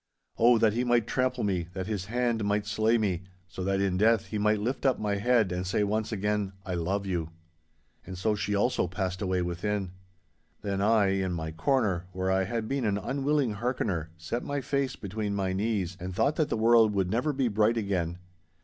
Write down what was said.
'Oh, that he might trample me, that his hand might slay me, so that in death he might lift up my head and say once again, "I love you."' And so she also passed away within. Then I, in my corner, where I had been an unwilling hearkener, set my face between my knees and thought that the world would never be bright again.